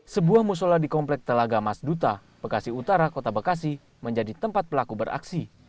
sebuah musola di komplek telaga mas duta bekasi utara kota bekasi menjadi tempat pelaku beraksi